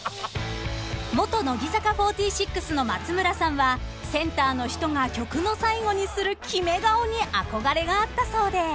［元乃木坂４６の松村さんはセンターの人が曲の最後にするキメ顔に憧れがあったそうで］